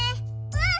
うん！